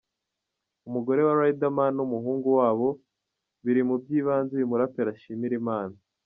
Umugore wa Riderman n'umuhungu wabo; biri mu by'ibanze uyu muraperi ashimira Imana.